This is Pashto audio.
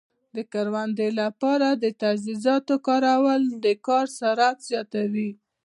د کروندې لپاره د تجهیزاتو کارول د کار سرعت زیاتوي.